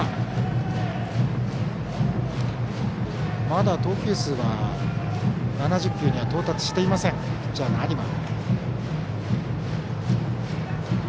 まだ、投球数が７０球には到達していませんピッチャーの有馬。